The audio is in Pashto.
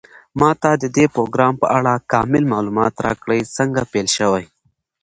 ما ته د دې پروګرام په اړه کامل معلومات راکړئ څنګه پیل شوی